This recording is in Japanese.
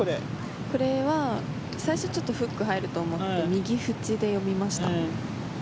これは最初ちょっとフック入ると思って右縁で読みました。